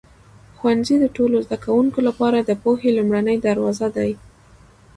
ښوونځی د ټولو زده کوونکو لپاره د پوهې لومړنی دروازه دی.